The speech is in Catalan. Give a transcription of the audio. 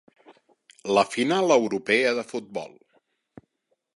La final europea de futbol.